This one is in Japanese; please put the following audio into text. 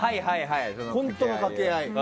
本当の掛け合い。